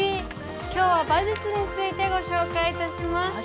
きょうは馬術についてご紹介いたします。